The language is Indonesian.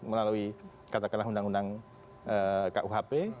melalui katakanlah undang undang kuhp